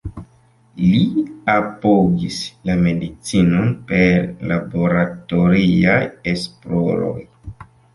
Li apogis la medicinon per laboratoriaj esploroj.